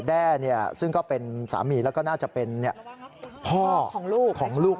แด้ซึ่งก็เป็นสามีแล้วก็น่าจะเป็นพ่อของลูกของลูก